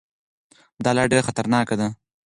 دا لاره ډېره خطرناکه ده.